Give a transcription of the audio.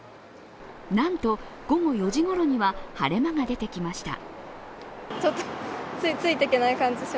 なんと午後４時ごろには晴れ間が出てきました。